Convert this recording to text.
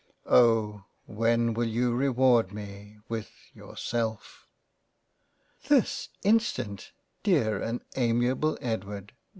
Oh ! when will you reward me with Yourself?" " This instant, Dear and Amiable Edward."